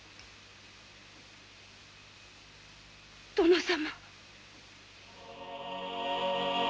殿様。